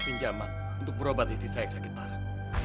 pinjaman untuk berobat istisahat sakit parah